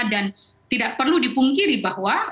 dan tidak perlu dipungkiri bahwa